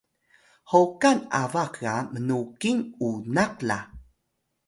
hoqan abax ga mnuqil unak la